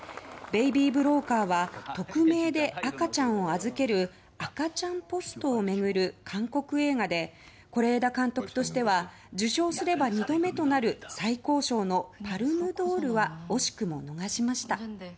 「ベイビー・ブローカー」は匿名で赤ちゃんを預ける赤ちゃんポストを巡る韓国映画で是枝監督としては受賞すれば２度目となる最高賞のパルム・ドールは惜しくも逃しました。